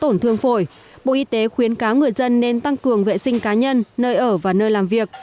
trong tổn thương phổi bộ y tế khuyến cáo người dân nên tăng cường vệ sinh cá nhân nơi ở và nơi làm việc